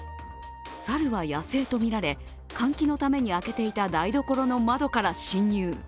猿は野生とみられ、換気のために開けていた台所の窓から侵入。